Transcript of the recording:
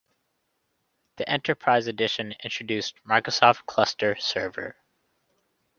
The Enterprise edition introduced Microsoft Cluster Server.